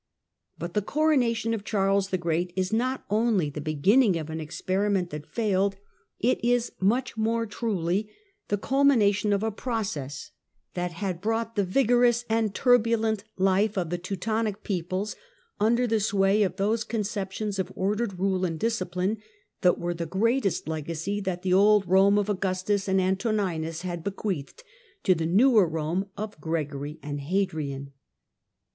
But the coronation of Charles the Great is not only the beginning of an experiment that failed, it is much more truly the culmination of a process that had CAROLUS IMPERATOR 179 brought the vigorous and turbulent life of the Teutonic peoples under the sway of those conceptions of ordered rule and discipline that were the greatest legacy that the old Rome of Augustus and Antoninus had be queathed to the newer Rome of Gregory and Hadrian.